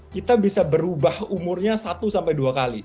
kita bisa berubah umurnya satu sampai dua kali